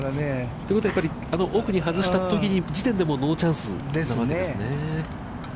ということはやっぱり、奥に外したときにその時点でノーチャンスなわけですね。